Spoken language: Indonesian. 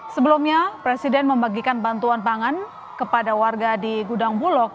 sebelumnya presiden membagikan bantuan pangan kepada warga di gudang bulog